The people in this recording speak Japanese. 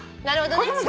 なるほどね。